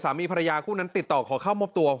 สามีภรรยาคู่นั้นติดต่อขอเข้ามอบตัว